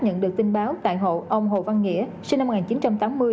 nhận được tin báo tại hộ ông hồ văn nghĩa sinh năm một nghìn chín trăm tám mươi